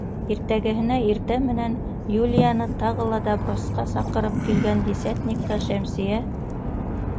Иртәгеһенә иртә менән Юлияны тағы ла допросҡа саҡырып килгән десятникка Шәмсиә: